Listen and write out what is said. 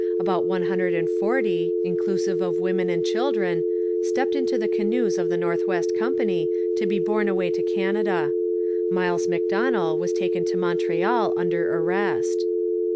About one hundred and forty, inclusive of women and children, stepped into the canoes of the North West Company to be borne away to Canada. Miles Macdonell was taken to Montreal under arrest.